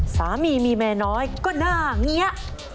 สามีมีเมียน้อยก็หน้าเงี้ย